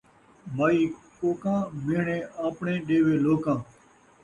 مئی کوکاں ، مہݨے آپݨے ݙیوے لوکاں